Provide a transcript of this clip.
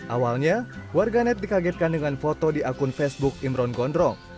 awalnya warganet dikagetkan dengan foto di akun facebook imron gondrong